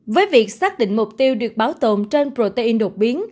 với việc xác định mục tiêu được bảo tồn trên protein đột biến